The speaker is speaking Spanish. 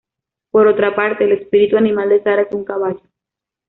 Por otra parte, el espíritu animal de Sarah es un caballo.